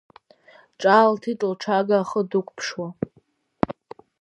Ҿаалҭит лҽага ахы дықәԥшуа.